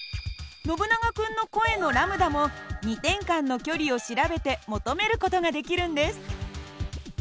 ノブナガ君の声のλも２点間の距離を調べて求める事ができるんです。